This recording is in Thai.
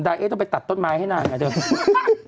เอ๊ต้องไปตัดต้นไม้ให้นางอ่ะเดิม